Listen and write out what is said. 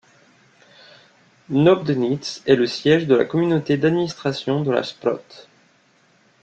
Nöbdenitz est le siège de la Communauté d'administration de la Sprotte.